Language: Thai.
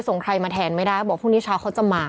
ส่งใครมาแทนไม่ได้เขาบอกพรุ่งนี้เช้าเขาจะมา